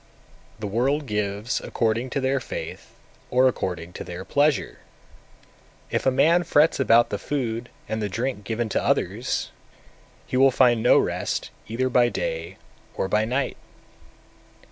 249. The world gives according to their faith or according to their pleasure: if a man frets about the food and the drink given to others, he will find no rest either by day or by night.